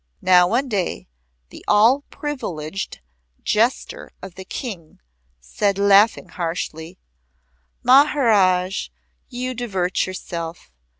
Now one day, the all privileged jester of the King, said, laughing harshly: "Maharaj, you divert yourself.